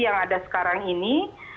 yang ada sekarang ini